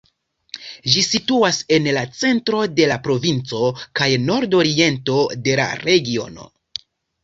Ĝi situas en la centro de la provinco kaj nordoriento de la regiono.